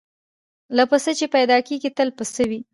له پسه چي پیدا کیږي تل پسه وي